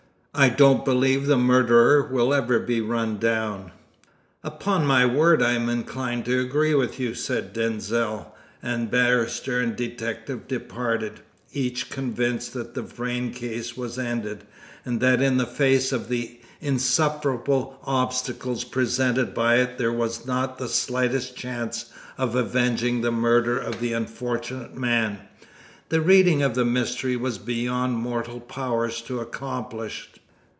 I don't believe the murderer will ever be run down." "Upon my word, I am inclined to agree with you," said Denzil, and barrister and detective departed, each convinced that the Vrain case was ended, and that in the face of the insuperable obstacles presented by it there was not the slightest chance of avenging the murder of the unfortunate man. The reading of the mystery was beyond mortal powers to accomplish.